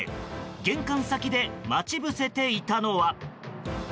玄関先で待ち伏せていたのは。